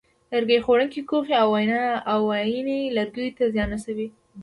لرګي خوړونکې کوخۍ او وایینې لرګیو ته ډېر زیان رسوي.